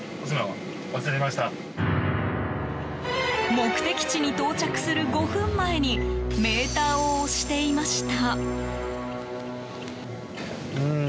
目的地に到着する５分前にメーターを押していました。